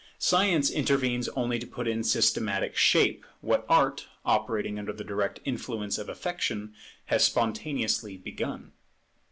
Science intervenes only to put into systematic shape what Art, operating under the direct influence of affection, has spontaneously begun.